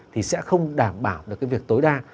thì sẽ không đảm bảo được cái việc tối đa